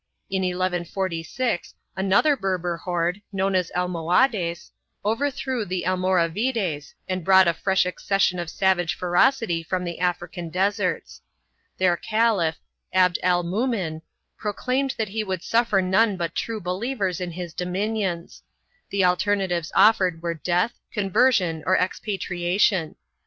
In 1146, another Berber horde, known as Almohades, overthrew the Almoravides and brought a fresh accession of savage ferocity from the African deserts. Their caliph, Abd al mumin, pro claimed that he would suffer none but true believers in his dominions; the alternatives offered were death, conversion or expatriation.